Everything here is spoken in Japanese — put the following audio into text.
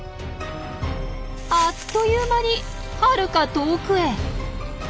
あっという間にはるか遠くへ。